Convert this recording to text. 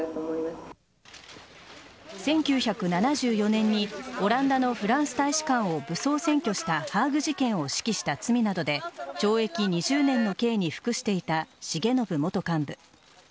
１９７４年にオランダのフランス大使館を武装占拠したハーグ事件を指揮した罪などで懲役２０年の刑に服していた重信元幹部。